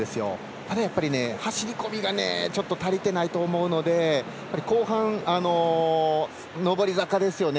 ただ、やっぱりね、走り込みがちょっと足りてないと思うので後半、上り坂ですよね。